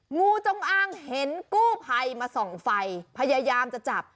งูจงอ้างเห็นกู้ภัยมาส่องไฟพยายามจะจับ